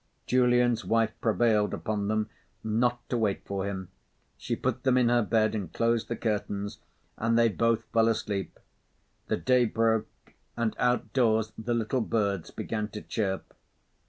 Julian's wife prevailed upon them not to wait for him. She put them in her bed and closed the curtains; and they both fell asleep. The day broke and outdoors the little birds began to chirp.